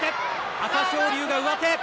朝青龍が上手。